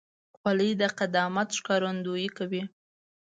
خولۍ د قدامت ښکارندویي کوي.